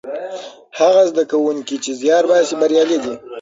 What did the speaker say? هغه زده کوونکي چې زیار باسي بریالي دي.